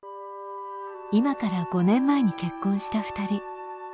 今から５年前に結婚した２人。